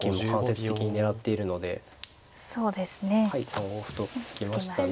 ３五歩と突きましたね。